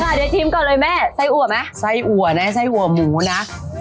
เดี๋ยวชิมก่อนเลยแม่ไส้อัวไหมไส้อัวนะไส้อัวหมูนะ